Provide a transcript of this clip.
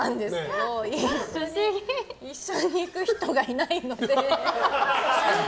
一緒に行く人がいないので。